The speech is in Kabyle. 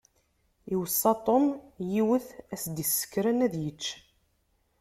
Iweṣṣa Tom yiwet ara s-d-isekren ad yečč.